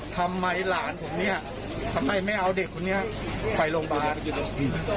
ทำไมหลานผมเนี่ยทำไมไม่เอาเด็กคนนี้ไปโรงพยาบาล